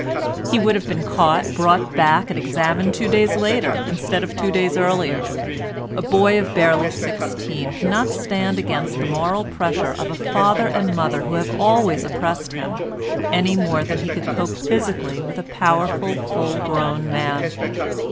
He would have been caught, brought back and examined two days later instead of two days earlier. A boy of barely sixteen cannot stand against the moral pressure of a father and mother who have always oppressed him any more than he can cope physically with a powerful full grown man.